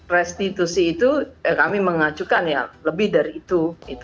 restitusi itu kami mengajukan ya lebih dari itu